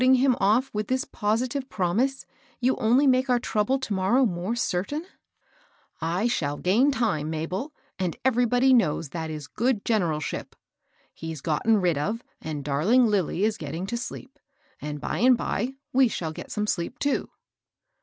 836 ting him oflF with this positive promise, you only make our trouble to morrow more certain ?" "I shall gain time, Mabel, and everybody knows that is good generalship. He's gotten rid of; and darling Lilly is getting to deep ; and, by and by, we shall get some sleep, too."